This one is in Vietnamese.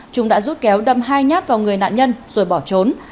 chúng đã rút kéo đâm hai nhát vào người nạn nhân rồi bỏ trốn